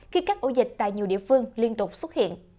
khi các ổ dịch tại nhiều địa phương liên tục xuất hiện